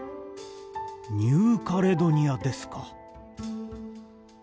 ニューカレドニアですか。